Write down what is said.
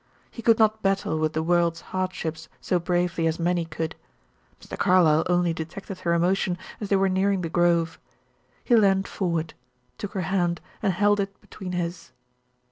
He could not battle with the world's hardships so bravely as many could. Mr. Carlyle only detected her emotion as they were nearing the Grove. He leaned forward, took her hand, and held it between his.